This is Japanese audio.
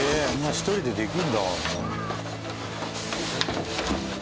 一人でできるんだ。